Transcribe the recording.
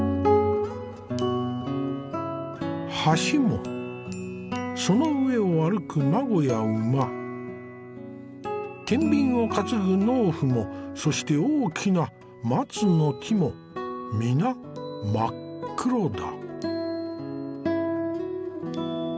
橋もその上を歩く馬子や馬天秤を担ぐ農夫もそして大きな松の木も皆真っ黒だ。